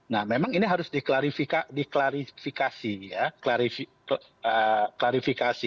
nah memang ini harus diklarifikasi